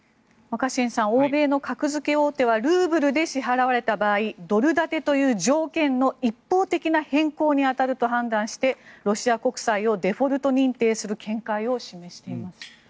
若新さん欧米の格付け大手はルーブルで支払われた場合ドル建てという条件の一方的な変更に当たると判断してロシア国債をデフォルト認定する見解を示しています。